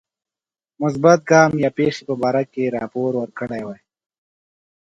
مثبت ګام یا پیښی په باره کې رپوت ورکړی وای.